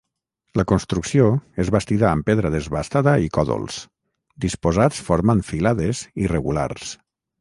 La construcció és bastida amb pedra desbastada i còdols, disposats formant filades irregulars.